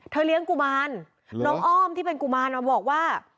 เลี้ยงกุมารน้องอ้อมที่เป็นกุมารบอกว่า